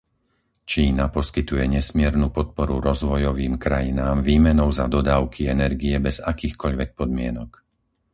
Čína poskytuje nesmiernu podporu rozvojovým krajinám výmenou za dodávky energie bez akýchkoľvek podmienok.